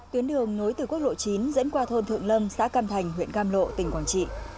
tuyến đường nối từ quốc lộ chín dẫn qua thôn thượng lâm xã cam thành huyện cam lộ tỉnh quảng trị